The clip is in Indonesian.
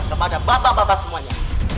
kepada bapak bapak semuanya